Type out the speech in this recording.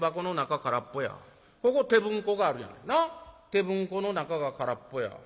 手文庫の中が空っぽや。